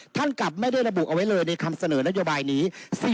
ท่านกลับไม่ได้ระบุเอาไว้เลยในคำเสนอนโยบายนี้สิ่งนี้สำคัญมากนะคะ